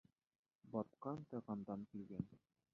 Батҡан тайғандан көлгән.